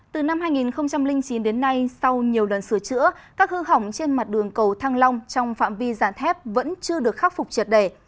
từ năm hai nghìn chín đến nay sau nhiều lần sửa chữa các hư hỏng trên mặt đường cầu thăng long trong phạm vi giản thép vẫn chưa được khắc phục triệt đề